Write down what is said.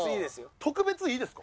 特別いいですか？